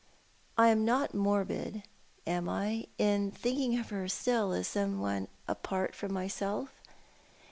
I am not morbid, am I, in thinking of her still as some one apart from myself?